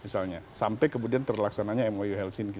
sampai kemudian terlaksananya mou helsinki